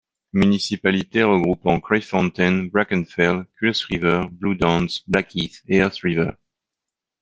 Municipalité regroupant Kraaifontein, Brackenfell, Kuils River, Blue Downs, Blackheath et Eerste River.